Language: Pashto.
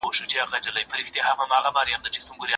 دا اوږدې شپې مي کړې لنډي زما په خپل آذان سهار کې